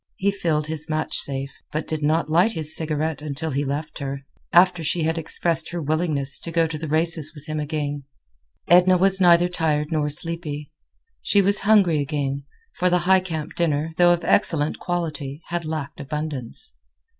He filled his match safe, but did not light his cigarette until he left her, after she had expressed her willingness to go to the races with him again. Edna was neither tired nor sleepy. She was hungry again, for the Highcamp dinner, though of excellent quality, had lacked abundance.